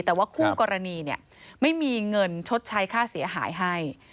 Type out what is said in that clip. แต่ว่าคู่กรณีไม่มีเงินชดใช้ค่าเสียหายให้